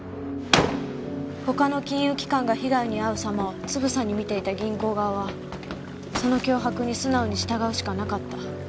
他の金融機関が被害に遭う様をつぶさに見ていた銀行側はその脅迫に素直に従うしかなかった。